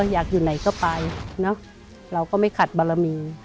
อยากอยู่ไหนก็ไปเนอะเราก็ไม่ขัดบารมี